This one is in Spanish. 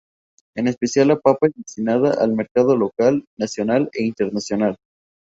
En especial la papa es destinada al mercado local, nacional e internacional.